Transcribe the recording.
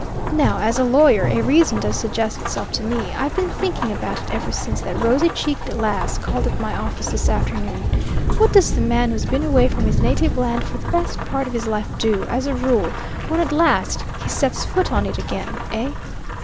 Now, as a lawyer, a reason does suggest itself to me; I've been thinking about it ever since that rosy cheeked lass called at my office this afternoon. What does the man who's been away from his native land for the best part of his life do, as a rule, when at last he sets foot on it again eh?"